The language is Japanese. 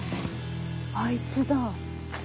あいつだ。